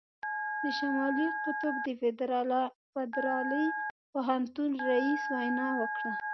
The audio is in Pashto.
د شمالي قطب د فدرالي پوهنتون رييس وینا وکړه.